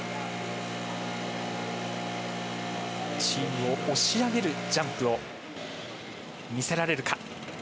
チームを押し上げるジャンプを見せられるか。